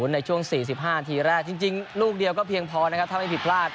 ในช่วง๔๕นาทีแรกจริงลูกเดียวก็เพียงพอนะครับถ้าไม่ผิดพลาด